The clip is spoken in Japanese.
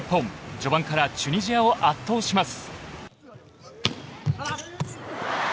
序盤からチュニジアを圧倒します。